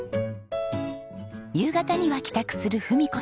夕方には帰宅する文子さん。